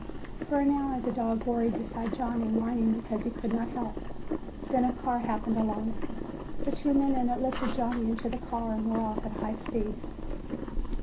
For an hour the dog worried beside Johnny, whining because he could not help. Then a car happened along. The two men in it lifted Johnny into the car and were off at high speed.